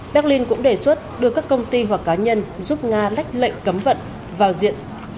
berlin cũng đề xuất đưa các công ty hoặc cá nhân giúp nga lách lệnh cấm vận vào diện phải bị trừng phạt